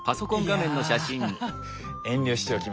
いや遠慮しておきます。